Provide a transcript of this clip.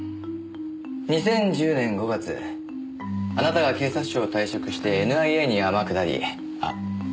２０１０年５月あなたが警察庁を退職してＮＩＡに天下りあっ失礼。